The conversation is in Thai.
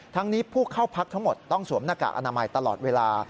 ทั้งนี้ผู้เข้าพักทั้งหมดต้องสวมหน้ากากอนามัยตลอดเวลา